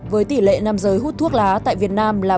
với tỷ lệ nằm dưới hút thuốc lá tại việt nam là bốn mươi ba năm